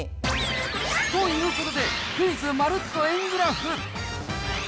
ということで、クイズまるっと円グラフ。